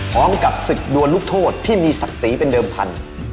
พร้อมกับศึกดวนลูกโทษที่มีศักดิ์ศรีเป็นเดิมพันธุ์